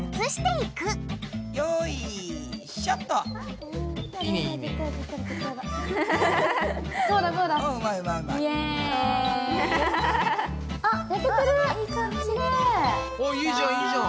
いいじゃんいいじゃん！